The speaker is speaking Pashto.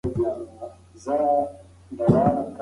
که انصاف وي نو غلا نه کیږي.